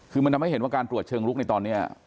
คือมันทำให้เห็นว่าการตรวจเชิงลุกในตอนนี้